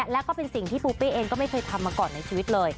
แล้วก็เป็นสิ่งที่ปูปี้เองก็ไม่เคยทำมาก่อนในชีวิตเลย